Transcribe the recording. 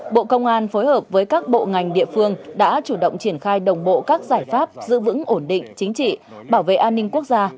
bộ công an phối hợp với các bộ ngành địa phương đã chủ động triển khai đồng bộ các giải pháp giữ vững ổn định chính trị bảo vệ an ninh quốc gia